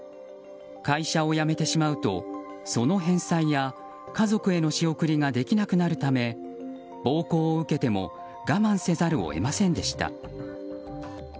会社を辞めてしまうとその返済や家族への仕送りができなくなるため暴行を受けても我慢せざるを得ませんでした。